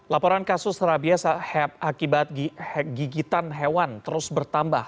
laporan kasus rabies akibat gigitan hewan terus bertambah